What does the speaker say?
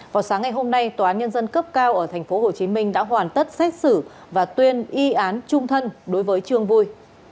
vào sáng ngày hôm nay tòa án nhân dân cấp cao ở tp hcm đã hoàn tất xét xử và tuyên y án trung thân đối với trương vui